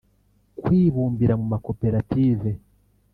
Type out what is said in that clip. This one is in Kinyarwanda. kwibumbira mu makoperative